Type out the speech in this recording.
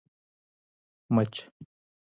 مچ 🐝